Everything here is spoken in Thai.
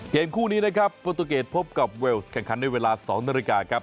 เกมคู่นี้ปฏุเกตพบกับเวลส์แข่งคันในเวลา๒นาฬิกา